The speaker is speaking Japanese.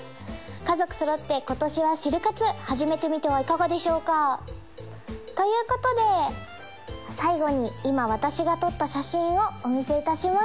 家族揃って今年はシル活始めてみてはいかがでしょうか？ということで最後に今私が撮った写真をお見せいたします